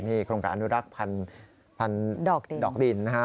โครงการอนุรักษ์พันธุ์ดอกดินนะฮะ